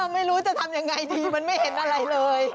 ไม่รู้จะทำยังไงดีมันไม่เห็นอะไรเลย